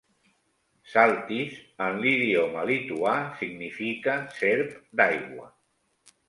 Zaltys en l"idioma lituà significa serp d'aigua.